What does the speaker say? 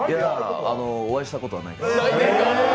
お会いしたことはないです。